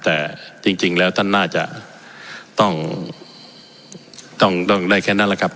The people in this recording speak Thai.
แต่จริงแล้วท่านน่าจะต้องได้แค่นั้นแหละครับ